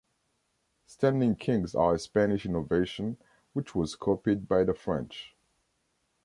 Standing kings are a Spanish innovation which was copied by the French.